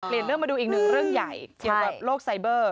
เรื่องมาดูอีกหนึ่งเรื่องใหญ่เกี่ยวกับโลกไซเบอร์